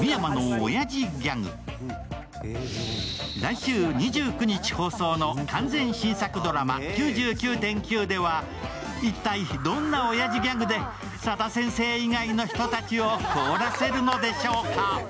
来週２９日放送の「完全新作ドラマ９９．９」では一体どんなおやじギャグで佐田先生以外の人たちを凍らせるのでしょうか？